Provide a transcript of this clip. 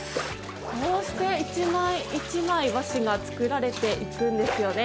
こうして１枚１枚、和紙が作られていくんですよね。